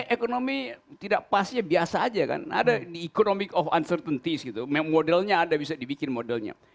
ekonomi tidak pas ya biasa aja kan ada di economic of uncertaintys gitu modelnya ada bisa dibikin modelnya